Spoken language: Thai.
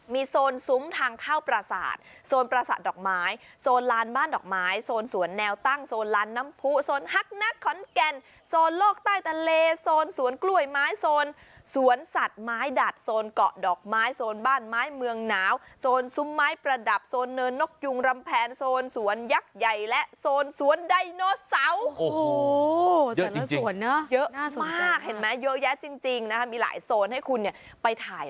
มีโซนซุ้มทางข้าวประสาทโซนประสาทดอกไม้โซนลานบ้านดอกไม้โซนสวนแนวตั้งโซนลานน้ำผูโซนฮักนักขอนแก่นโซนโลกใต้ทะเลโซนสวนกล้วยไม้โซนสวนสัตว์ไม้ดัดโซนเกาะดอกไม้โซนบ้านไม้เมืองหนาวโซนซุ้มไม้ประดับโซนเนินนกยุงรำแพนโซนสวนยักษ์ใหญ่และโซนสวนไดโนเซา